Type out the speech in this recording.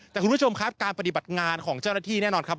แต่คุณผู้ชมครับการปฏิบัติงานของเจ้าหน้าที่แน่นอนครับ